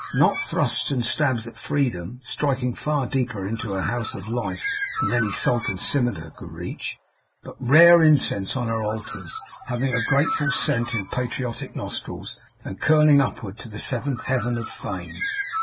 Not thrusts and stabs at Freedom, striking far deeper into her House of Life than any sultan's scimitar could reach; but rare incense on her altars, having a grateful scent in patriotic nostrils, and curling upward to the seventh heaven of Fame.